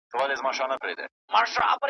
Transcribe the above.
که مي ازل ستا پر لمنه سجدې کښلي نه وې .